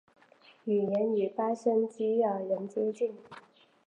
语言与巴什基尔人接近。